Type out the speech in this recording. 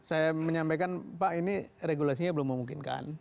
saya menyampaikan pak ini regulasinya belum memungkinkan